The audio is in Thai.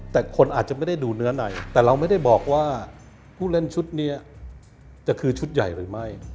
แต่คนอาจจะไม่ได้ดูเนื้อในแต่เราไม่ได้บอกว่าผู้เล่นชุดนี้จะคือชุดใหญ่หรือไม่